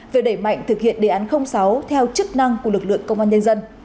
về đẩy mạnh thực hiện đề án sáu theo chức năng của lực lượng công an nhân dân